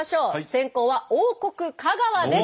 先攻は王国香川です。